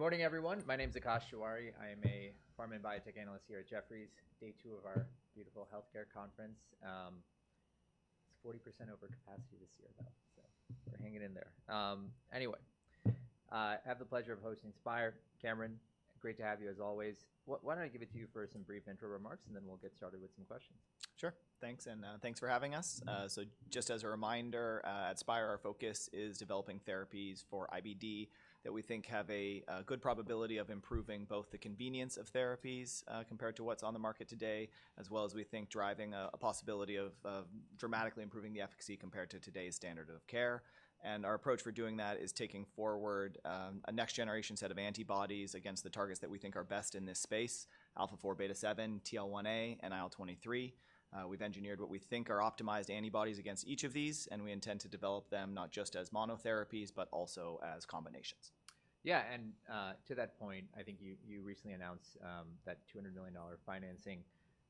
Good morning, everyone. My name's Akash Tewari. I am a Pharma and Biotech analyst here at Jefferies. Day two of our beautiful healthcare conference. It's 40% over capacity this year, though, so we're hanging in there. Anyway, I have the pleasure of hosting Spyre, Cameron. Great to have you, as always. Why don't I give it to you for some brief intro remarks, and then we'll get started with some questions. Sure. Thanks, and thanks for having us. So just as a reminder, at Spyre, our focus is developing therapies for IBD that we think have a good probability of improving both the convenience of therapies, compared to what's on the market today, as well as we think driving a possibility of dramatically improving the efficacy compared to today's standard of care and our approach for doing that is taking forward a next-generation set of antibodies against the targets that we think are best in this space: Alpha-4 Beta-7, TL1A, and IL-23. We've engineered what we think are optimized antibodies against each of these, and we intend to develop them not just as monotherapies, but also as combinations. Yeah, and to that point, I think you recently announced that $200 million financing.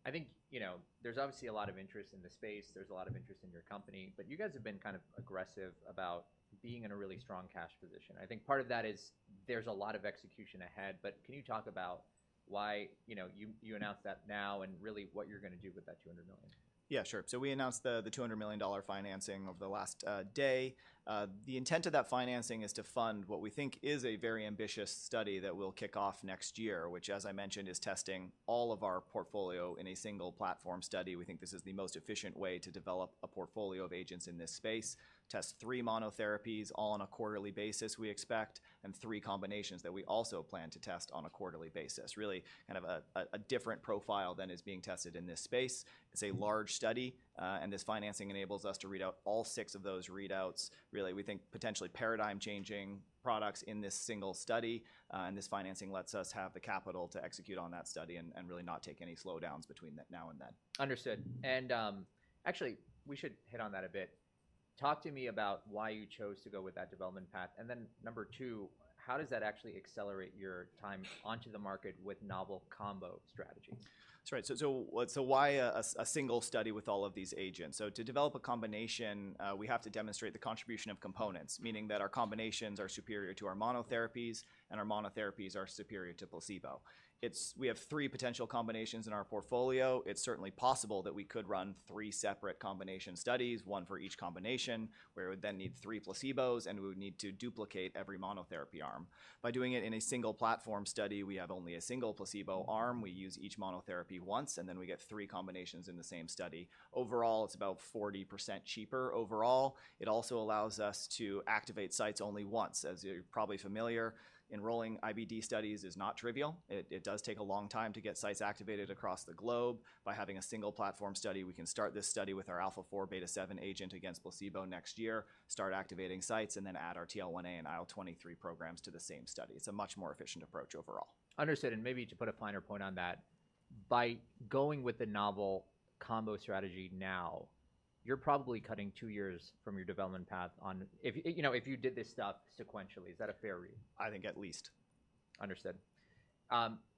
I think, you know, there's obviously a lot of interest in the space. There's a lot of interest in your company. But you guys have been kind of aggressive about being in a really strong cash position. I think part of that is there's a lot of execution ahead. But can you talk about why, you know, you announced that now and really what you're going to do with that $200 million? Yeah, sure. So we announced the $200 million financing over the last day. The intent of that financing is to fund what we think is a very ambitious study that will kick off next year, which, as I mentioned, is testing all of our portfolio in a single platform study. We think this is the most efficient way to develop a portfolio of agents in this space, test three monotherapies all on a quarterly basis, we expect, and three combinations that we also plan to test on a quarterly basis. Really kind of a different profile than is being tested in this space. It's a large study, and this financing enables us to read out all six of those readouts. Really, we think potentially paradigm-changing products in this single study. and this financing lets us have the capital to execute on that study and really not take any slowdowns between that now and then. Understood. And, actually, we should hit on that a bit. Talk to me about why you chose to go with that development path. And then number two, how does that actually accelerate your time onto the market with novel combo strategies? That's right. So, what, so why a single study with all of these agents? So to develop a combination, we have to demonstrate the contribution of components, meaning that our combinations are superior to our monotherapies, and our monotherapies are superior to placebo. It's, we have three potential combinations in our portfolio. It's certainly possible that we could run three separate combination studies, one for each combination, where it would then need three placebos, and we would need to duplicate every monotherapy arm. By doing it in a single platform study, we have only a single placebo arm. We use each monotherapy once, and then we get three combinations in the same study. Overall, it's about 40% cheaper overall. It also allows us to activate sites only once. As you're probably familiar, enrolling IBD studies is not trivial. It does take a long time to get sites activated across the globe. By having a single platform study, we can start this study with our Alpha-4 Beta-7 agent against placebo next year, start activating sites, and then add our TL1A and IL-23 programs to the same study. It's a much more efficient approach overall. Understood. And maybe to put a finer point on that, by going with the novel combo strategy now, you're probably cutting two years from your development path on if, you know, if you did this stuff sequentially. Is that a fair read? I think at least. Understood.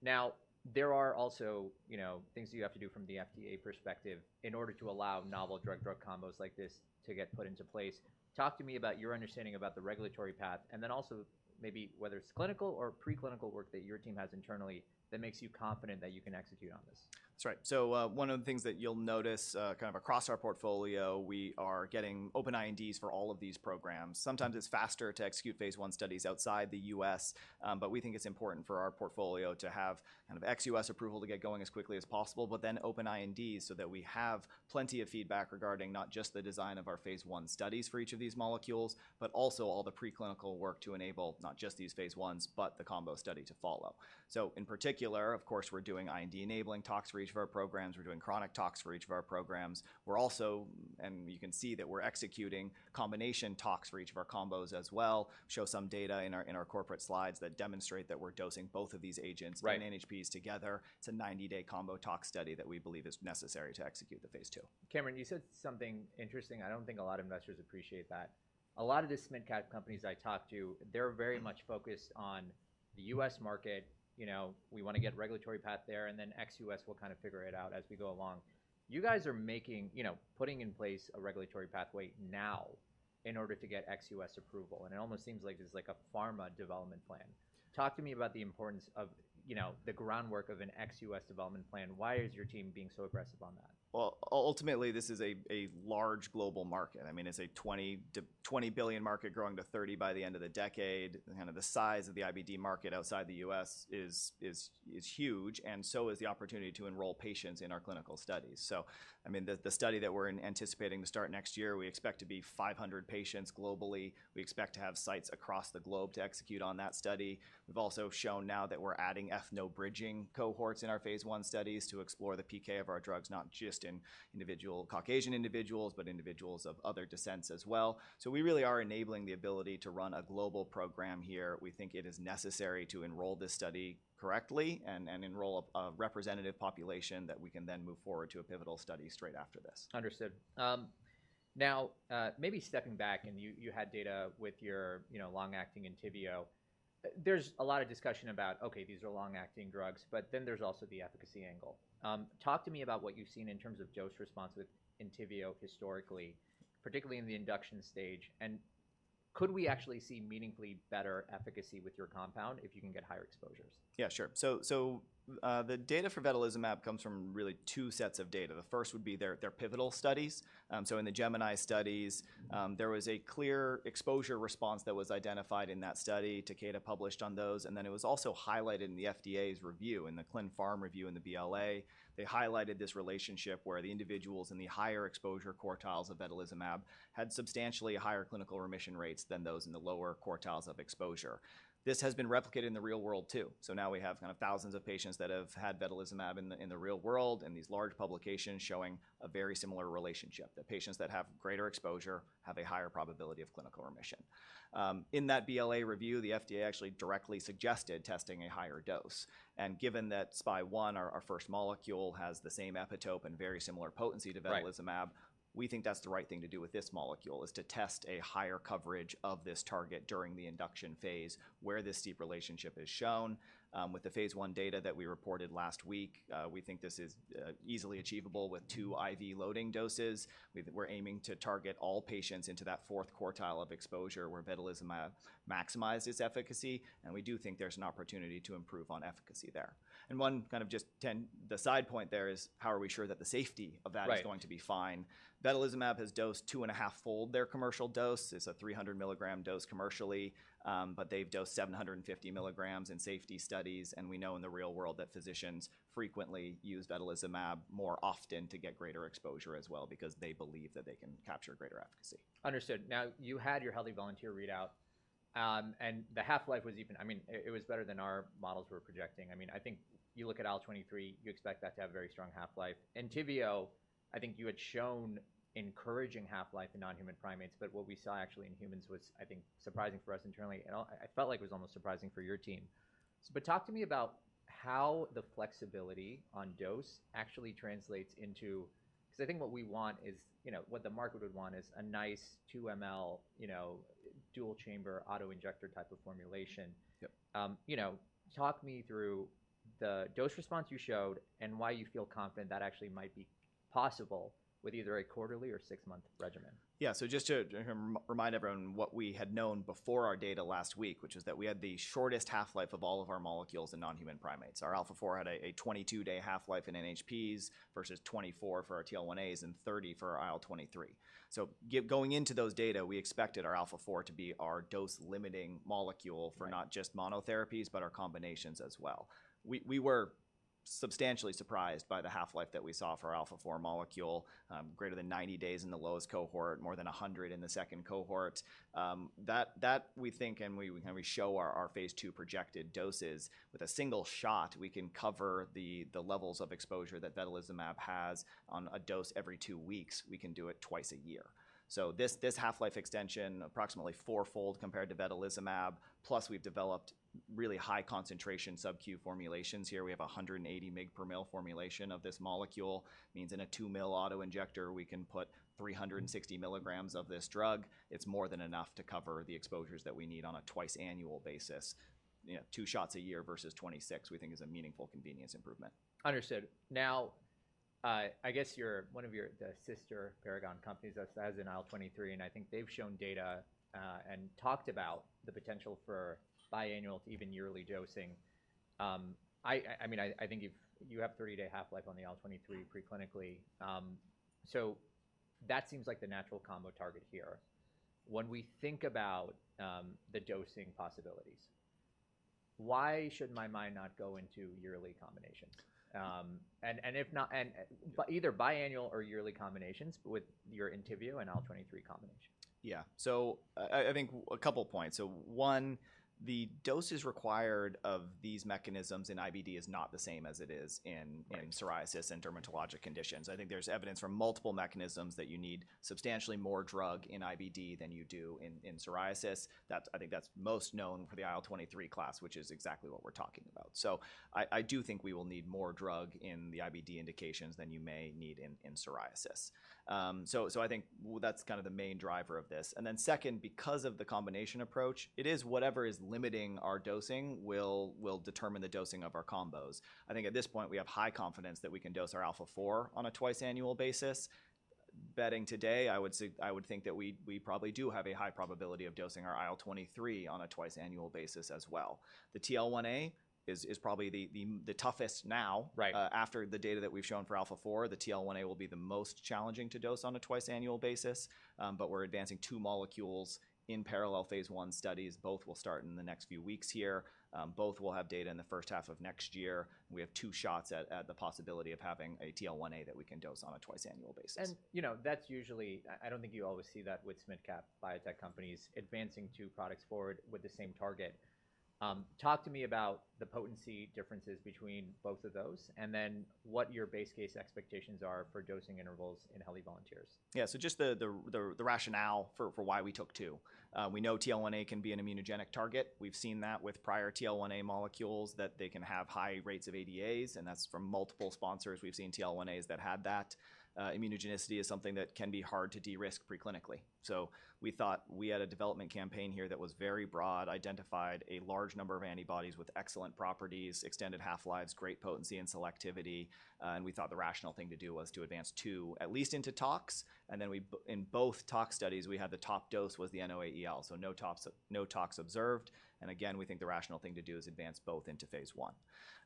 Now, there are also, you know, things that you have to do from the FDA perspective in order to allow novel drug-drug combos like this to get put into place. Talk to me about your understanding about the regulatory path, and then also maybe whether it's clinical or preclinical work that your team has internally that makes you confident that you can execute on this? That's right. So, one of the things that you'll notice, kind of across our portfolio, we are getting open INDs for all of these programs. Sometimes it's faster to execute phase I studies outside the U.S., but we think it's important for our portfolio to have kind of ex-U.S. approval to get going as quickly as possible, but then open INDs so that we have plenty of feedback regarding not just the design of our phase I studies for each of these molecules, but also all the preclinical work to enable not just these phase Is, but the combo study to follow. So in particular, of course, we're doing IND-enabling tox research of our programs. We're doing chronic tox research of our programs. We're also, and you can see that we're executing combination tox research of our combos as well. Show some data in our corporate slides that demonstrate that we're dosing both of these agents. Right. And NHPs together. It's a 90-day combo tox study that we believe is necessary to execute the phase II. Cameron, you said something interesting. I don't think a lot of investors appreciate that. A lot of the small-cap companies I talk to, they're very much focused on the U.S. market. You know, we want to get regulatory path there, and then ex-U.S. will kind of figure it out as we go along. You guys are making, you know, putting in place a regulatory pathway now in order to get ex-U.S. approval. And it almost seems like there's like a pharma development plan. Talk to me about the importance of, you know, the groundwork of an ex-U.S. development plan. Why is your team being so aggressive on that? Ultimately, this is a large global market. I mean, it's a $20 billion market growing to $30 billion by the end of the decade. Kind of the size of the IBD market outside the U.S. is huge, and so is the opportunity to enroll patients in our clinical studies. So, I mean, the study that we're anticipating to start next year, we expect to be 500 patients globally. We expect to have sites across the globe to execute on that study. We've also shown now that we're adding ethnobridging cohorts in our phase I studies to explore the PK of our drugs, not just in individual Caucasian individuals, but individuals of other descents as well. So we really are enabling the ability to run a global program here. We think it is necessary to enroll this study correctly and enroll a representative population that we can then move forward to a pivotal study straight after this. Understood. Now, maybe stepping back, and you, you had data with your, you know, long-acting Entyvio. There's a lot of discussion about, okay, these are long-acting drugs, but then there's also the efficacy angle. Talk to me about what you've seen in terms of dose response with Entyvio historically, particularly in the induction stage. Could we actually see meaningfully better efficacy with your compound if you can get higher exposures? Yeah, sure. The data for vedolizumab comes from really two sets of data. The first would be their pivotal studies. In the GEMINI studies, there was a clear exposure response that was identified in that study. Takeda published on those. It was also highlighted in the FDA's review, in the ClinPharm review in the BLA. They highlighted this relationship where the individuals in the higher exposure quartiles of vedolizumab had substantially higher clinical remission rates than those in the lower quartiles of exposure. This has been replicated in the real world, too. So, now we have thousands of patients that have had vedolizumab in the real world, and these large publications showing a very similar relationship, that patients that have greater exposure have a higher probability of clinical remission. In that BLA review, the FDA actually directly suggested testing a higher dose. And given that SPY001, our first molecule, has the same epitope and very similar potency to vedolizumab, we think that's the right thing to do with this molecule, is to test a higher coverage of this target during the induction phase where this steep relationship is shown. With the phase I data that we reported last week, we think this is easily achievable with two IV loading doses. We're aiming to target all patients into that fourth quartile of exposure where vedolizumab maximizes efficacy. And we do think there's an opportunity to improve on efficacy there. And one kind of just a side point there is, how are we sure that the safety of that is going to be fine? Right. vedolizumab has dosed two and a half fold their commercial dose. It's a 300-milligram dose commercially, but they've dosed 750 milligrams in safety studies. We know in the real world that physicians frequently use vedolizumab more often to get greater exposure as well because they believe that they can capture greater efficacy. Understood. Now, you had your healthy volunteer readout, and the half-life was even. I mean, it was better than our models were projecting. I mean, I think you look at IL-23, you expect that to have a very strong half-life. Entyvio, I think you had shown encouraging half-life in non-human primates, but what we saw actually in humans was, I think, surprising for us internally. And I felt like it was almost surprising for your team. But talk to me about how the flexibility on dose actually translates into because I think what we want is, you know, what the market would want is a nice 2 mL, you know, dual-chamber auto-injector type of formulation. Yep. You know, talk me through the dose response you showed and why you feel confident that actually might be possible with either a quarterly or six-month regimen? Yeah. So just to remind everyone what we had known before our data last week, which is that we had the shortest half-life of all of our molecules in non-human primates. Our Alpha-4 had a 22-day half-life in NHPs versus 24 for our TL1As and 30 for our IL-23. So going into those data, we expected our Alpha-4 to be our dose-limiting molecule for not just monotherapies, but our combinations as well. We were substantially surprised by the half-life that we saw for our Alpha-4 molecule, greater than 90 days in the lowest cohort, more than 100 in the second cohort, that we think, and we show our phase II projected doses, with a single shot, we can cover the levels of exposure that vedolizumab has on a dose every two weeks. We can do it twice a year. So this, this half-life extension, approximately four-fold compared to vedolizumab. Plus, we've developed really high-concentration SubQ formulations here. We have a 180 mg per mL formulation of this molecule. Means in a 2 ml auto-injector, we can put 360 milligrams of this drug. It's more than enough to cover the exposures that we need on a twice-annual basis. You know, two shots a year versus 26, we think, is a meaningful convenience improvement. Understood. Now, I guess one of your, the sister Paragon companies that has an IL-23, and I think they've shown data, and talked about the potential for biannual to even yearly dosing. I mean, I think you have 30-day half-life on the IL-23 preclinically. So that seems like the natural combo target here. When we think about the dosing possibilities, why should my mind not go into yearly combinations? And if not, either biannual or yearly combinations with your Entyvio and IL-23 combination? Yeah. So I think a couple points. So one, the doses required of these mechanisms in IBD is not the same as it is in psoriasis and dermatologic conditions. I think there's evidence from multiple mechanisms that you need substantially more drug in IBD than you do in psoriasis. That's, I think, most known for the IL-23 class, which is exactly what we're talking about. So I do think we will need more drug in the IBD indications than you may need in psoriasis. So I think that's kind of the main driver of this. And then second, because of the combination approach, it is whatever is limiting our dosing will determine the dosing of our combos. I think at this point, we have high confidence that we can dose our Alpha-4 on a twice-annual basis. Betting today, I would think that we probably do have a high probability of dosing our IL-23 on a twice-annual basis as well. The TL1A is probably the toughest now. Right. After the data that we've shown for Alpha-4, the TL1A will be the most challenging to dose on a twice-annual basis, but we're advancing two molecules in parallel phase I studies. Both will start in the next few weeks here. Both will have data in the first half of next year. We have two shots at the possibility of having a TL1A that we can dose on a twice-annual basis. You know, that's usually, I don't think you always see that with small-cap biotech companies advancing two products forward with the same target. Talk to me about the potency differences between both of those and then what your base case expectations are for dosing intervals in healthy volunteers. Yeah. So just the rationale for why we took two. We know TL1A can be an immunogenic target. We've seen that with prior TL1A molecules that they can have high rates of ADAs, and that's from multiple sponsors. We've seen TL1As that had that. Immunogenicity is something that can be hard to de-risk preclinically. So we thought we had a development campaign here that was very broad, identified a large number of antibodies with excellent properties, extended half-lives, great potency and selectivity, and we thought the rational thing to do was to advance two, at least into tox. And then, in both tox studies, we had the top dose was the NOAEL. So no tox observed. And again, we think the rational thing to do is advance both into phase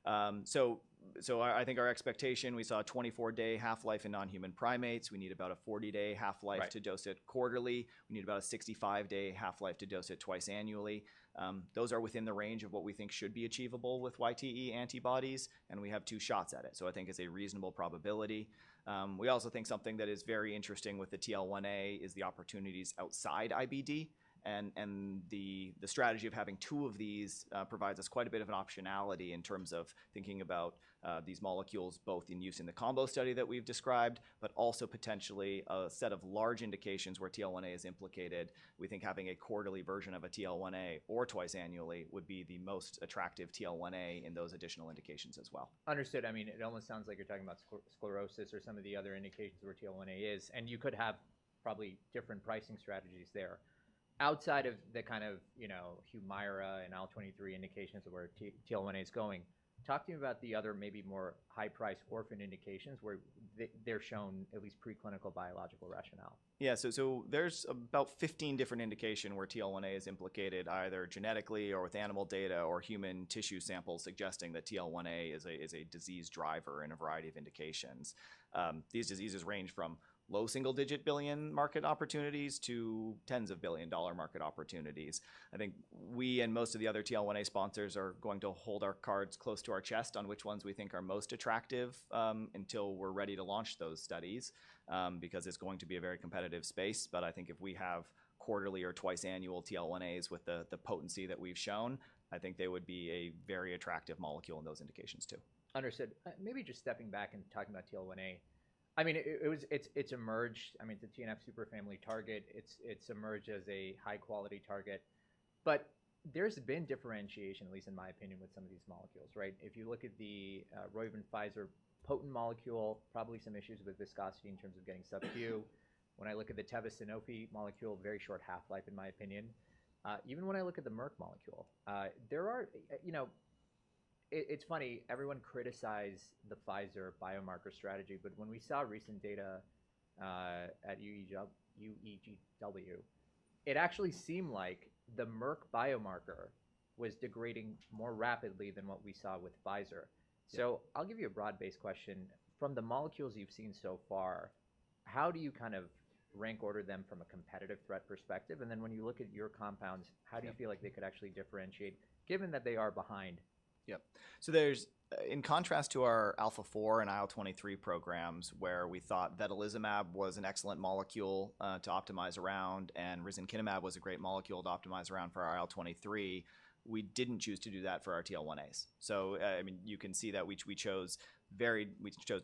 I. I think our expectation, we saw a 24-day half-life in non-human primates. We need about a 40-day half-life to dose it quarterly. We need about a 65-day half-life to dose it twice annually. Those are within the range of what we think should be achievable with YTE antibodies, and we have two shots at it. I think it's a reasonable probability. We also think something that is very interesting with the TL1A is the opportunities outside IBD. The strategy of having two of these provides us quite a bit of an optionality in terms of thinking about these molecules both in use in the combo study that we've described, but also potentially a set of large indications where TL1A is implicated. We think having a quarterly version of a TL1A or twice annually would be the most attractive TL1A in those additional indications as well. Understood. I mean, it almost sounds like you're talking about systemic sclerosis or some of the other indications where TL1A is, and you could have probably different pricing strategies there. Outside of the kind of, you know, Humira and IL-23 indications where TL1A is going, talk to me about the other maybe more high-priced orphan indications where they're shown at least preclinical biological rationale. Yeah. So, so there's about 15 different indications where TL1A is implicated, either genetically or with animal data or human tissue samples suggesting that TL1A is a, is a disease driver in a variety of indications. These diseases range from low single-digit billion market opportunities to tens of billion market opportunities. I think we and most of the other TL1A sponsors are going to hold our cards close to our chest on which ones we think are most attractive, until we're ready to launch those studies, because it's going to be a very competitive space. But I think if we have quarterly or twice-annual TL1As with the, the potency that we've shown, I think they would be a very attractive molecule in those indications, too. Understood. Maybe just stepping back and talking about TL1A. I mean, it was, it's emerged, I mean, the TNF superfamily target, it's emerged as a high-quality target. But there's been differentiation, at least in my opinion, with some of these molecules, right? If you look at the Roivant-Pfizer potent molecule, probably some issues with viscosity in terms of getting SubQ. When I look at the Teva-Sanofi molecule, very short half-life, in my opinion. Even when I look at the Merck molecule, there are, you know, it's funny, everyone criticized the Pfizer biomarker strategy, but when we saw recent data at UEGW, it actually seemed like the Merck biomarker was degrading more rapidly than what we saw with Pfizer. So I'll give you a broad-based question. From the molecules you've seen so far, how do you kind of rank order them from a competitive threat perspective? And then when you look at your compounds, how do you feel like they could actually differentiate, given that they are behind? Yep. So there's, in contrast to our Alpha-4 and IL-23 programs where we thought vedolizumab was an excellent molecule to optimize around, and risankizumab was a great molecule to optimize around for our IL-23, we didn't choose to do that for our TL1As. So, I mean, you can see that we chose very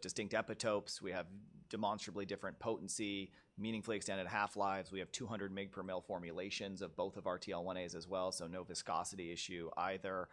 distinct epitopes. We have demonstrably different potency, meaningfully extended half-lives. We have 200 mg per mL formulations of both of our TL1As as well. So no viscosity issue either.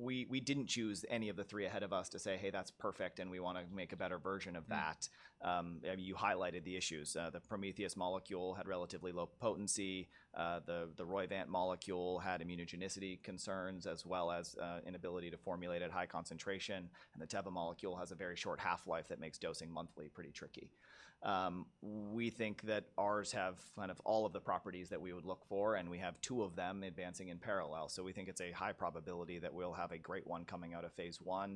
We didn't choose any of the three ahead of us to say, "Hey, that's perfect, and we want to make a better version of that." and you highlighted the issues. The Prometheus molecule had relatively low potency. The Roivant molecule had immunogenicity concerns as well as inability to formulate at high concentration. And the Teva molecule has a very short half-life that makes dosing monthly pretty tricky. We think that ours have kind of all of the properties that we would look for, and we have two of them advancing in parallel. So we think it's a high probability that we'll have a great one coming out of phase I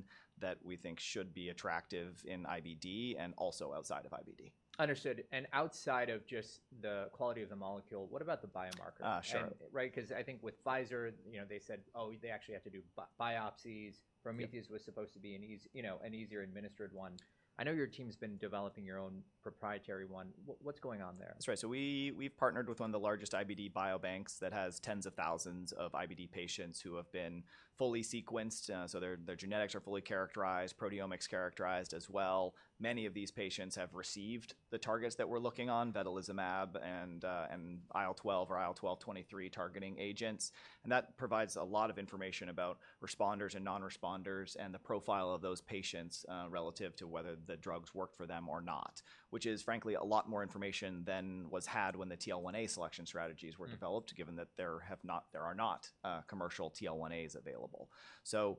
that we think should be attractive in IBD and also outside of IBD. Understood and outside of just the quality of the molecule, what about the biomarker? Sure. Right? Because I think with Pfizer, you know, they said, "Oh, they actually have to do biopsies." Prometheus was supposed to be an easy, you know, an easier-administered one. I know your team's been developing your own proprietary one. What's going on there? That's right. So we, we've partnered with one of the largest IBD biobanks that has tens of thousands of IBD patients who have been fully sequenced. So their genetics are fully characterized, proteomics characterized as well. Many of these patients have received the targets that we're looking on, vedolizumab and IL-12 or IL-12/23 targeting agents. And that provides a lot of information about responders and non-responders and the profile of those patients, relative to whether the drugs worked for them or not, which is, frankly, a lot more information than was had when the TL1A selection strategies were developed, given that there are not commercial TL1As available. So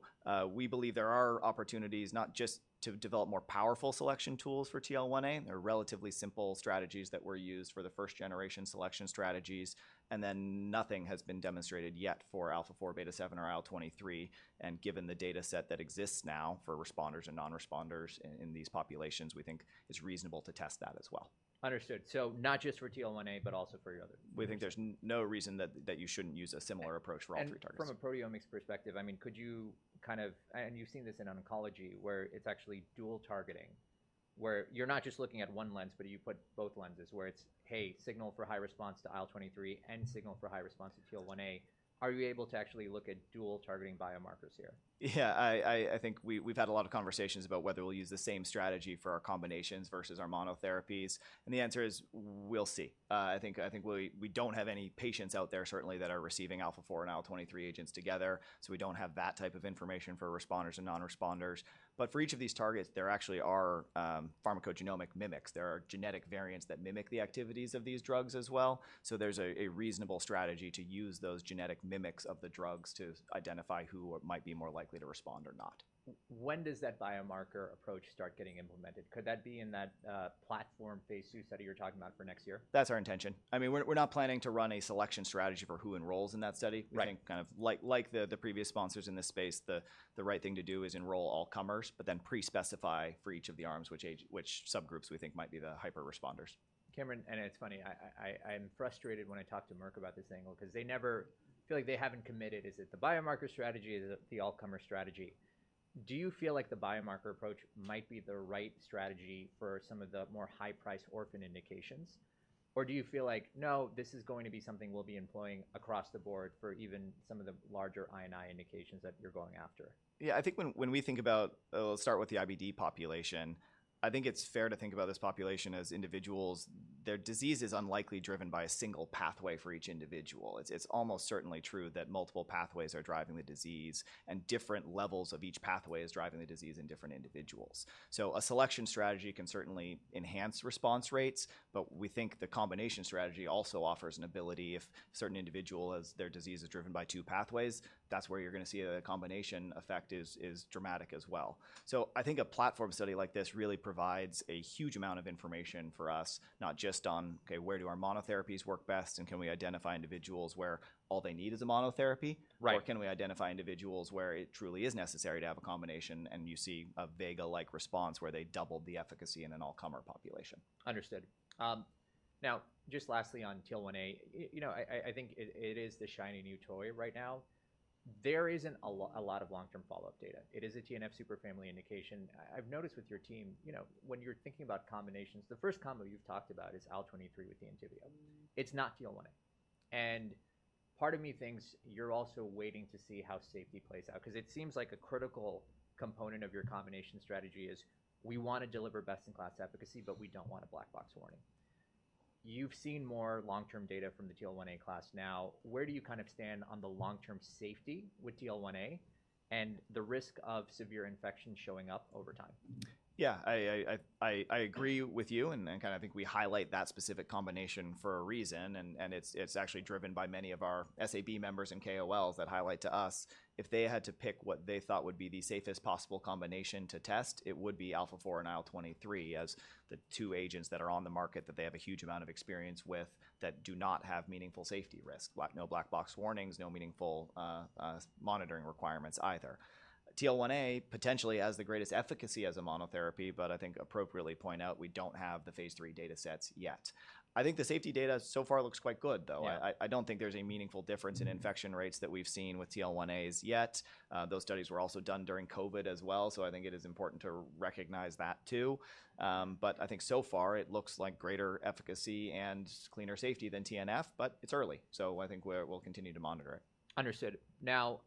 we believe there are opportunities not just to develop more powerful selection tools for TL1A. There are relatively simple strategies that were used for the first-generation selection strategies. And then nothing has been demonstrated yet for Alpha-4 Beta-7 or IL-23. And given the data set that exists now for responders and non-responders in these populations, we think it's reasonable to test that as well. Understood. So not just for TL1A, but also for your other? We think there's no reason that you shouldn't use a similar approach for all three targets. From a proteomics perspective, I mean, could you kind of, and you've seen this in oncology where it's actually dual targeting, where you're not just looking at one lens, but you put both lenses where it's, "Hey, signal for high response to IL-23 and signal for high response to TL1A." Are you able to actually look at dual targeting biomarkers here? Yeah. I think we've had a lot of conversations about whether we'll use the same strategy for our combinations versus our monotherapies. And the answer is we'll see. I think we don't have any patients out there certainly that are receiving Alpha-4 and IL-23 agents together. So we don't have that type of information for responders and non-responders. But for each of these targets, there actually are pharmacogenomic mimics. There are genetic variants that mimic the activities of these drugs as well. So there's a reasonable strategy to use those genetic mimics of the drugs to identify who might be more likely to respond or not. When does that biomarker approach start getting implemented? Could that be in that platform phase II study you're talking about for next year? That's our intention. I mean, we're not planning to run a selection strategy for who enrolls in that study. Right. I think kind of like the previous sponsors in this space, the right thing to do is enroll all comers, but then pre-specify for each of the arms which subgroups we think might be the hyper-responders. Cameron, and it's funny, I, I'm frustrated when I talk to Merck about this angle because they never feel like they haven't committed. Is it the biomarker strategy? Is it the all-comer strategy? Do you feel like the biomarker approach might be the right strategy for some of the more high-priced orphan indications? Or do you feel like, no, this is going to be something we'll be employing across the board for even some of the larger I&I indications that you're going after? Yeah. I think when we think about, we'll start with the IBD population. I think it's fair to think about this population as individuals. Their disease is unlikely driven by a single pathway for each individual. It's almost certainly true that multiple pathways are driving the disease and different levels of each pathway is driving the disease in different individuals. So a selection strategy can certainly enhance response rates, but we think the combination strategy also offers an ability if certain individuals, their disease is driven by two pathways, that's where you're going to see a combination effect is dramatic as well. So I think a platform study like this really provides a huge amount of information for us, not just on, okay, where do our monotherapies work best and can we identify individuals where all they need is a monotherapy. Right. Or can we identify individuals where it truly is necessary to have a combination and you see a VEGA-like response where they doubled the efficacy in an all-comer population? Understood. Now, just lastly on TL1A, you know, I think it is the shiny new toy right now. There isn't a lot of long-term follow-up data. It is a TNF superfamily indication. I've noticed with your team, you know, when you're thinking about combinations, the first combo you've talked about is IL-23 with the Entyvio. It's not TL1A. And part of me thinks you're also waiting to see how safety plays out because it seems like a critical component of your combination strategy is we want to deliver best-in-class efficacy, but we don't want a black box warning. You've seen more long-term data from the TL1A class now. Where do you kind of stand on the long-term safety with TL1A and the risk of severe infection showing up over time? Yeah. I agree with you and kind of I think we highlight that specific combination for a reason. It's actually driven by many of our SAB members and KOLs that highlight to us. If they had to pick what they thought would be the safest possible combination to test, it would be Alpha-4 and IL-23 as the two agents that are on the market that they have a huge amount of experience with that do not have meaningful safety risk, no black box warnings, no meaningful monitoring requirements either. TL1A potentially has the greatest efficacy as a monotherapy, but I think appropriately point out we don't have the phase III data sets yet. I think the safety data so far looks quite good, though. I don't think there's a meaningful difference in infection rates that we've seen with TL1As yet. Those studies were also done during COVID as well. So I think it is important to recognize that too. But I think so far it looks like greater efficacy and cleaner safety than TNF, but it's early. So I think we'll continue to monitor it. Understood. Now,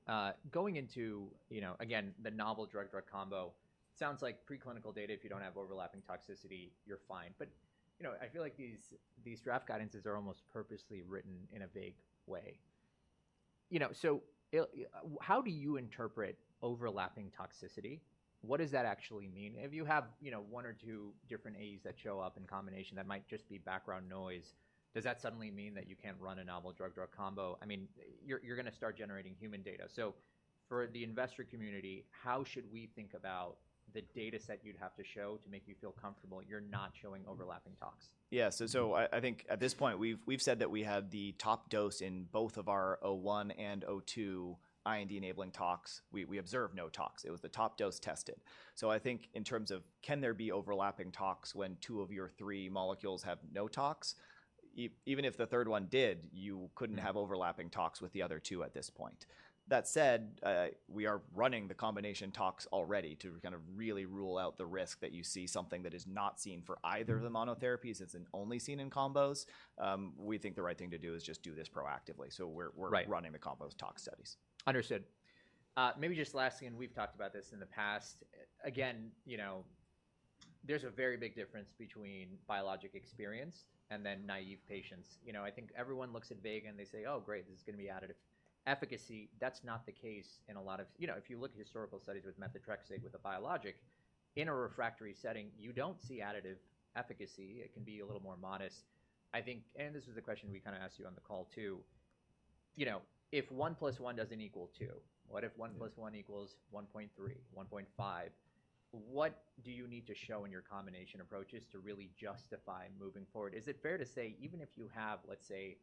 going into, you know, again, the novel drug-drug combo, sounds like preclinical data, if you don't have overlapping toxicity, you're fine. But, you know, I feel like this draft guidance is almost purposely written in a vague way. You know, so how do you interpret overlapping toxicity? What does that actually mean? If you have, you know, one or two different AEs that show up in combination that might just be background noise, does that suddenly mean that you can't run a novel drug-drug combo? I mean, you're going to start generating human data. So for the investor community, how should we think about the data set you'd have to show to make you feel comfortable you're not showing overlapping tox? Yeah. So I think at this point we've said that we have the top dose in both of our O1 and O2 IND-enabling tox. We observed no tox. It was the top dose tested. So I think in terms of can there be overlapping tox when two of your three molecules have no tox? Even if the third one did, you couldn't have overlapping tox with the other two at this point. That said, we are running the combination tox already to kind of really rule out the risk that you see something that is not seen for either of the monotherapies. It's only seen in combos. We think the right thing to do is just do this proactively. Right. So we're running the combo tox studies. Understood. Maybe just lastly, and we've talked about this in the past, again, you know, there's a very big difference between biologic experience and then naive patients. You know, I think everyone looks at VEGA and they say, "Oh, great, this is going to be additive efficacy." That's not the case in a lot of, you know, if you look at historical studies with methotrexate with a biologic in a refractory setting, you don't see additive efficacy. It can be a little more modest. I think, and this is the question we kind of asked you on the call too, you know, if one plus one doesn't equal two, what if one plus one equals 1.3, 1.5? What do you need to show in your combination approaches to really justify moving forward? Is it fair to say even if you have, let's say,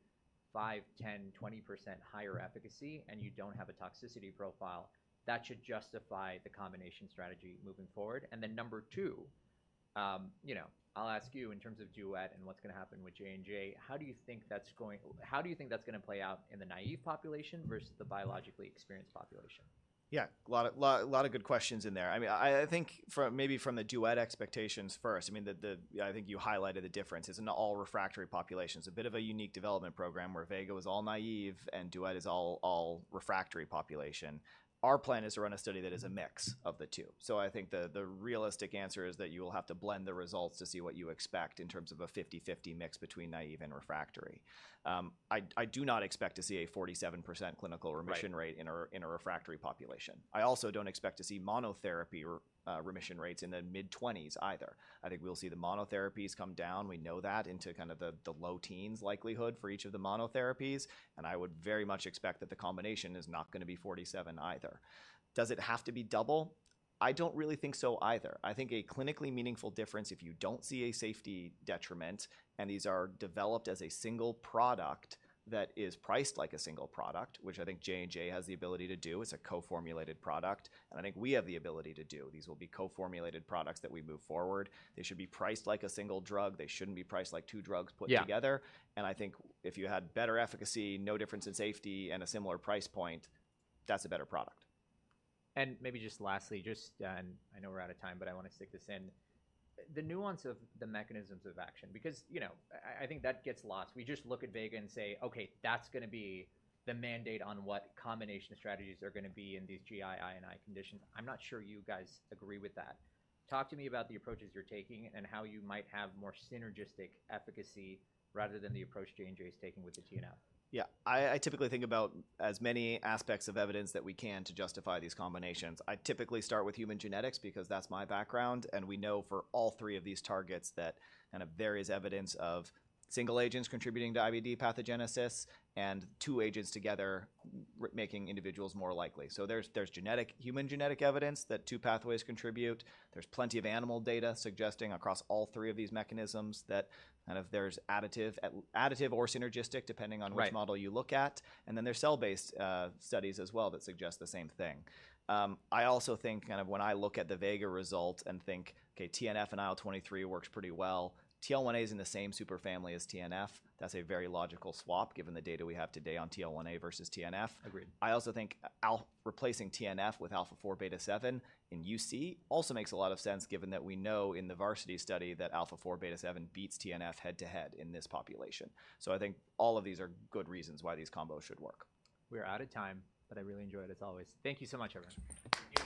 5%, 10%, 20% higher efficacy and you don't have a toxicity profile, that should justify the combination strategy moving forward? And then number two, you know, I'll ask you in terms of DUET and what's going to happen with J&J, how do you think that's going, how do you think that's going to play out in the naive population versus the biologically experienced population? Yeah. A lot of, a lot of good questions in there. I mean, I think from maybe from the DUET expectations first, I mean, I think you highlighted the difference. It's an all-refractory population. It's a bit of a unique development program where VEGA was all naive and DUET is all refractory population. Our plan is to run a study that is a mix of the two. So I think the realistic answer is that you will have to blend the results to see what you expect in terms of a 50/50 mix between naive and refractory. I do not expect to see a 47% clinical remission rate in a refractory population. I also don't expect to see monotherapy remission rates in the mid-20s either. I think we'll see the monotherapies come down. We know that into kind of the low teens likelihood for each of the monotherapies. And I would very much expect that the combination is not going to be 47 either. Does it have to be double? I don't really think so either. I think a clinically meaningful difference if you don't see a safety detriment and these are developed as a single product that is priced like a single product, which I think J&J has the ability to do. It's a co-formulated product. And I think we have the ability to do. These will be co-formulated products that we move forward. They should be priced like a single drug. They shouldn't be priced like two drugs put together. Yeah. I think if you had better efficacy, no difference in safety, and a similar price point, that's a better product. Maybe just lastly, just, and I know we're out of time, but I want to stick this in. The nuance of the mechanisms of action, because, you know, I, I think that gets lost. We just look at VEGA and say, "Okay, that's going to be the mandate on what combination strategies are going to be in these GI, I&I conditions." I'm not sure you guys agree with that. Talk to me about the approaches you're taking and how you might have more synergistic efficacy rather than the approach J&J is taking with the TNF. Yeah. I typically think about as many aspects of evidence that we can to justify these combinations. I typically start with human genetics because that's my background. And we know for all three of these targets that kind of there is evidence of single agents contributing to IBD pathogenesis and two agents together making individuals more likely. So there's genetic, human genetic evidence that two pathways contribute. There's plenty of animal data suggesting across all three of these mechanisms that kind of there's additive or synergistic depending on which model you look at. And then there's cell-based studies as well that suggest the same thing. I also think kind of when I look at the VEGA result and think, "Okay, TNF and IL-23 works pretty well." TL1A is in the same superfamily as TNF. That's a very logical swap given the data we have today on TL1A versus TNF. Agreed. I also think replacing TNF with Alpha-4, Beta-7 in UC also makes a lot of sense given that we know in the VARSITY study that Alpha-4 Beta-7 beats TNF head-to-head in this population. So I think all of these are good reasons why these combos should work. We are out of time, but I really enjoyed it as always. Thank you so much, everyone.